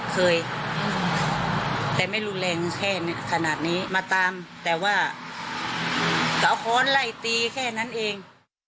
เคยแต่ไม่รุนแรงแค่ขนาดนี้มาตามแต่ว่าก็เอาค้อนไล่ตีแค่นั้นเอง